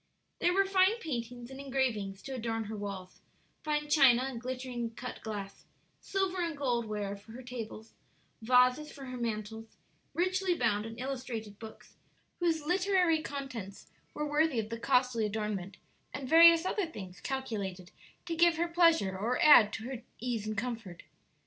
There were fine paintings and engravings to adorn her walls; fine china, and glittering cut glass, silver and gold ware for her tables; vases for her mantels; richly bound and illustrated books, whose literary contents were worthy of the costly adornment, and various other things calculated to give her pleasure or add to her ease and comfort.